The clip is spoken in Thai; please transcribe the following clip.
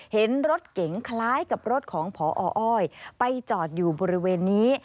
เห็นรถเก๋งคล้ายกับรถของพออ้อยไปจอดอยู่บริเวณนี้